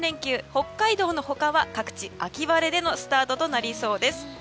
北海道の他は各地、秋晴れでのスタートとなりそうです。